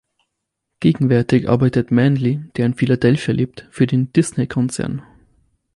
Gegenwärtig arbeitet Manley, der in Philadelphia lebt, für den Disney Konzern.